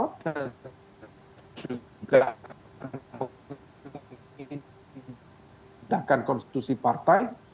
dan juga tidak akan memperkenalkan konstitusi partai